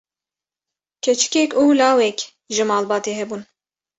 keçikek û lawek ji malbatê hebûn